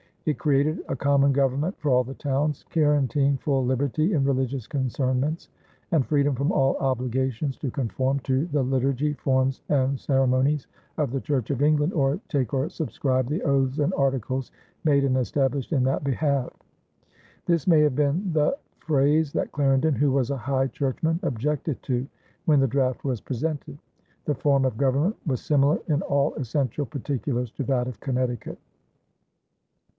It created a common government for all the towns, guaranteeing full liberty "in religious concernments" and freedom from all obligations to conform to the "litturgy, formes, and ceremonyes of the Church of England, or take or subscribe the oathes and articles made and established in that behalfe." This may have been the phrase that Clarendon, who was a High Churchman, objected to when the draft was presented. The form of government was similar in all essential particulars to that of Connecticut.